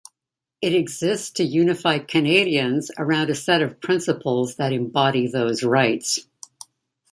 It exists to unify Canadians around a set of principles that embody those rights.